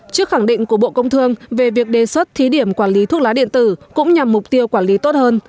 trước khẳng định của bộ công thương về việc đề xuất thí điểm quản lý thuốc lá điện tử cũng nhằm mục tiêu quản lý tốt hơn